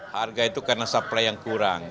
harga itu karena supply yang kurang